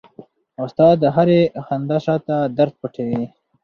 استاد د هرې خندې شاته درد پټوي.